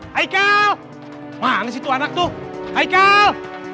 haikal mana situ anak tuh haikal